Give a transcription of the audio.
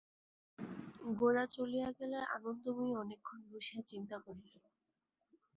গোরা চলিয়া গেলে আনন্দময়ী অনেকক্ষণ বসিয়া চিন্তা করিলেন।